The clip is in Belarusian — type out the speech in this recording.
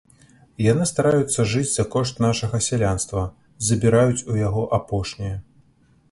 Яны стараюцца жыць за кошт нашага сялянства, забіраюць у яго апошняе.